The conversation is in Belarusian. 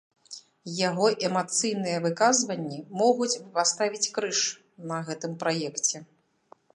Яго эмацыйныя выказванні могуць паставіць крыж на гэтым праекце.